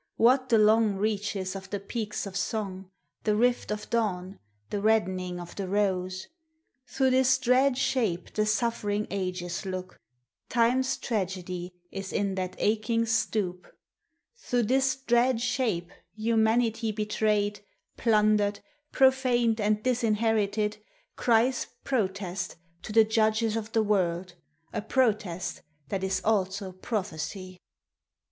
What the long reaches of the peaks of song, The rift of dawn, the reddening of the rose ? Through this dread shape the suffering ages look ; Time's tragedy is in that aching stoop ; Through this dread shape humanity betrayed, Plundered, profaned and disinherited, Cries protest to the Judges of the World, A protest that is also prophecy.